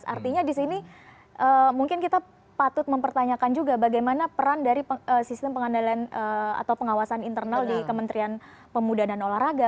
artinya di sini mungkin kita patut mempertanyakan juga bagaimana peran dari sistem pengendalian atau pengawasan internal di kementerian pemuda dan olahraga